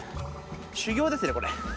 修行ですね、これ。